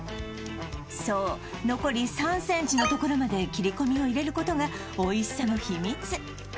そう残り３センチのところまで切り込みを入れることがおいしさの秘密